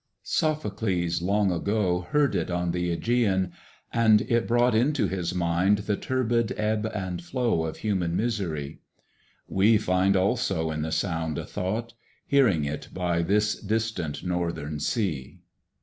Sophocles long ago Heard it on the Ægæan, and it brought Into his mind the turbid ebb and flow Of human misery; we Find also in the sound a thought, Hearing it by this distant northern sea.